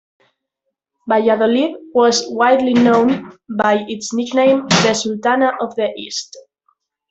Valladolid was widely known by its nickname The Sultana of the East.